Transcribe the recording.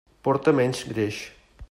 Porta menys greix.